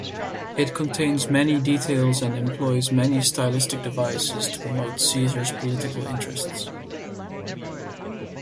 It contains many details and employs many stylistic devices to promote Caesar's political interests.